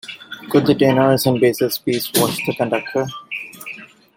Could the tenors and basses please watch the conductor?